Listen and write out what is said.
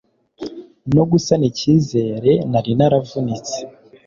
no gusana ikizere nari naravunitse